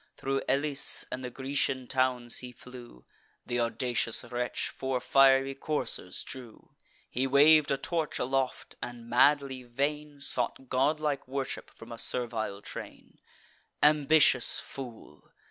Thro' Elis and the Grecian towns he flew; Th' audacious wretch four fiery coursers drew: He wav'd a torch aloft, and, madly vain, Sought godlike worship from a servile train. Ambitious fool!